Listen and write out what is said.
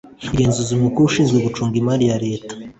umugenzuzi mukuru ushinzwe gucunga imari ya leta